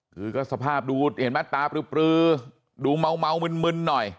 คือก็สภาพดูเห็นไหมตาปลือปลือดูเมาเมามึนมึนหน่อย